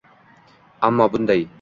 Ammo bunday